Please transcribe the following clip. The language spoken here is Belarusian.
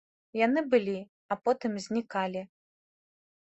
Яны былі, а потым знікалі.